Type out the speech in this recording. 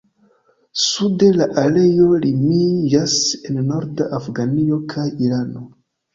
Sude la areo limiĝas en norda Afganio kaj Irano.